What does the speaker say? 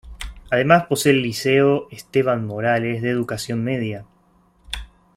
Además, posee el liceo Esteban Morales de educación media.